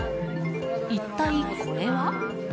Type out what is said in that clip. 一体これは？